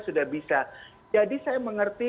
sudah bisa jadi saya mengerti